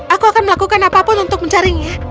aku akan melakukan apapun untuk mencarinya